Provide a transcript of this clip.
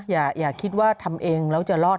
อย่าคิดว่าทำเองแล้วจะรอด